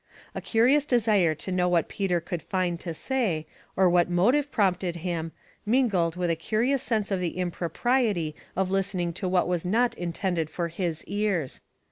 A curious desire to know what Peter could find to say, or what motive prompted him, mingled with a courteous sense of the impropriety of lia Smoke and Bewilderment, 67 tening to what was not intended for his ears.